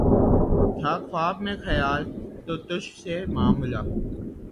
تھا خواب میں خیال کو تجھ سے معاملہ